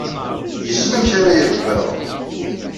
Yessen amek ara yerkeb alɣem.